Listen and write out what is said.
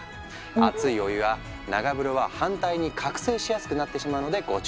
熱いお湯や長風呂は反対に覚醒しやすくなってしまうのでご注意を。